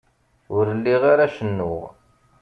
Ur lliɣ ara cennuɣ.